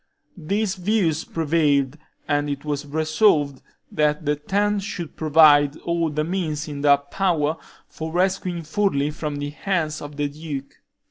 These views prevailed, and it was resolved that the ten should provide all the means in their power for rescuing Furli from the hands of the duke.